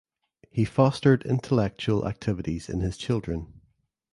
He fostered intellectual activities in his children.